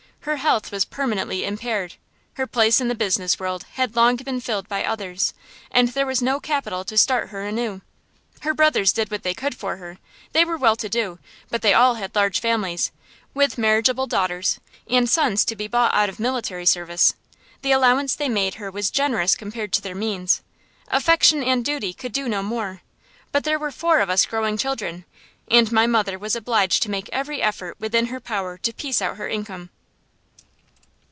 Her health was permanently impaired, her place in the business world had long been filled by others, and there was no capital to start her anew. Her brothers did what they could for her. They were well to do, but they all had large families, with marriageable daughters and sons to be bought out of military service. The allowance they made her was generous compared to their means, affection and duty could do no more, but there were four of us growing children, and my mother was obliged to make every effort within her power to piece out her income.